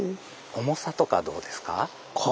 重さとかどうですか？